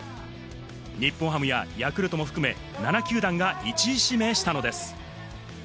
日本ハムやヤクルトも含め７球団が１位指名したのです。